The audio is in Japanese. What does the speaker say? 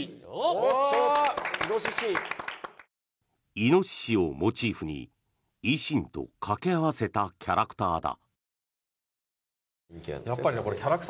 イノシシをモチーフに維新と掛け合わせたキャラクターだ。